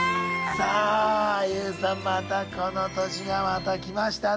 さあＹＯＵさんまたこの年がまた来ましたね。